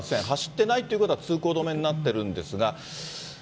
走ってないということは、通行止めになってるんですが。